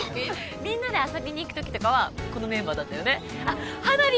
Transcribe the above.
みんなで遊びにいくときとかはこのメンバーだったよねあっ花火